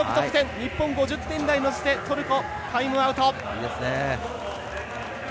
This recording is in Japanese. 日本５０点台に乗せてトルコタイムアウト。